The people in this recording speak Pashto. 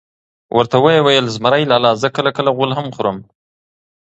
ورته وئې ویل: زمرى لالا زه کله کله غول هم خورم .